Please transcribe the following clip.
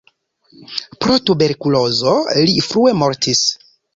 Pro tuberkulozo li frue mortis.